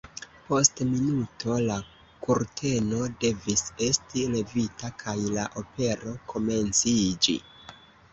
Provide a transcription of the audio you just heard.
Post minuto la kurteno devis esti levita kaj la opero komenciĝi.